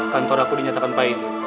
kantor aku dinyatakan pai ini